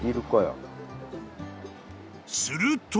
［すると］